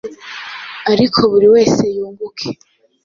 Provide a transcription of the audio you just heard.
ariko buri wese yunguke